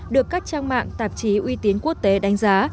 được các trang mạng tạp chí uy tín quốc tế đánh giá